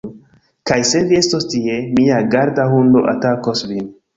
Kaj se vi estos tie, mia garda hundo atakos vin